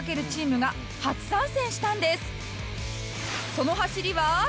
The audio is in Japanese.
その走りは